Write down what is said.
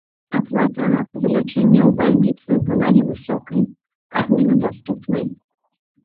Аплата за лячэнне ў бальніцы была невысокай, агульнадаступнай.